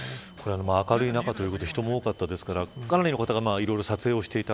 明るい中で人も多かったですから、かなりの方が撮影をしていた。